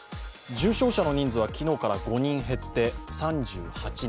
重症者の人数は昨日から５人減って３８人。